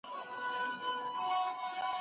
اوسنۍ ټیکنالوژي ژوند ډېر اسانه کړی دی.